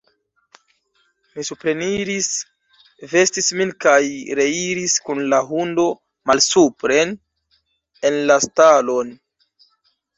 Mi supreniris, vestis min kaj reiris kun la hundo malsupren en la stalon.